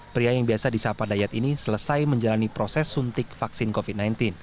pria yang biasa disahpa dayat ini selesai menjalani proses suntik vaksin covid sembilan belas